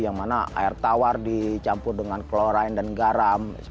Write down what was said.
yang mana air tawar dicampur dengan kloraine dan garam